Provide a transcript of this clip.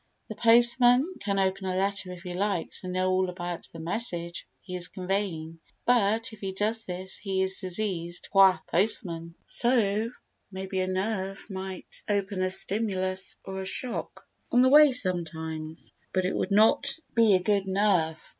The postman can open a letter if he likes and know all about the message he is conveying, but, if he does this, he is diseased qua postman. So, maybe, a nerve might open a stimulus or a shock on the way sometimes, but it would not be a good nerve.